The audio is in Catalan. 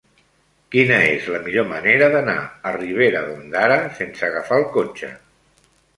Quina és la millor manera d'anar a Ribera d'Ondara sense agafar el cotxe?